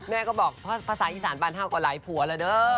แน่ก็บอกเพราะภาษาอีสารปลาฝ้าก็หลายผัวละเด้อ